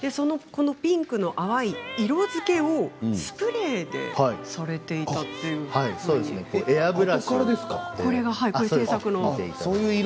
このピンクの淡い色づけをスプレーでされていたエアブラシで。